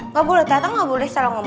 nggak boleh tante nggak boleh salah ngomong